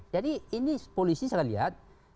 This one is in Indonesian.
jadi ini polisi saya lihat